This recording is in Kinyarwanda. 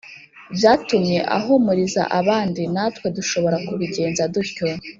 byatumye ahumuriza abandi Natwe dushobora kubigenza dutyo